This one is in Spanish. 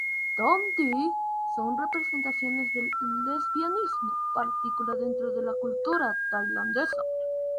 Tom-Dee son representaciones de lesbianismo partícula dentro de la cultura tailandesa.